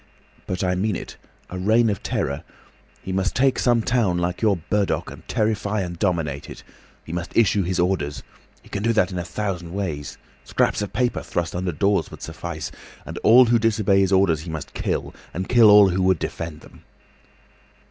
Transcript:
But I mean it. A Reign of Terror. He must take some town like your Burdock and terrify and dominate it. He must issue his orders. He can do that in a thousand ways—scraps of paper thrust under doors would suffice. And all who disobey his orders he must kill, and kill all who would defend them."